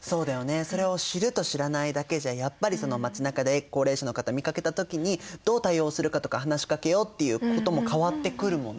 それを知ると知らないだけじゃやっぱり街なかで高齢者の方見かけた時にどう対応するかとか話しかけようっていうことも変わってくるもんね。